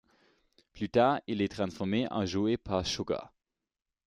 Plus tard, il est transformé en jouet par Sugar.